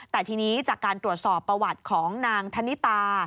แต่ทีนี้จากการตรวจสอบประวัติของนางธนิตา